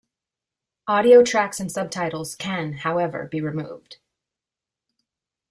Audio tracks and subtitles can, however, be removed.